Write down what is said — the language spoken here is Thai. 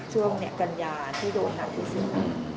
ช่วงกัญญาที่โดนหนักที่สุด